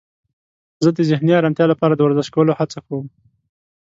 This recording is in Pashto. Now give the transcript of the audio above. زه د ذهني آرامتیا لپاره د ورزش کولو هڅه کوم.